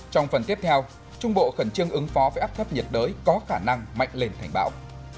trong phần tiếp theo trung bộ khẩn trương ứng phó với áp thấp nhiệt đới có khả năng mạnh lên thành bão